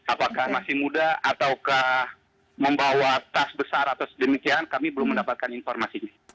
apakah masih muda ataukah membawa tas besar atau sedemikian kami belum mendapatkan informasinya